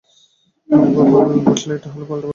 নবগোপাল বুঝলে এটা হল পালটা জবাব।